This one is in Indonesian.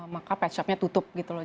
maka pet shopnya tutup gitu loh